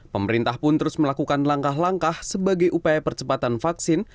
pemerintah pun terus melakukan langkah langkah sebagai upaya percepatan vaksin